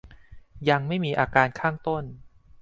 ยังไม่มีอาการข้างต้น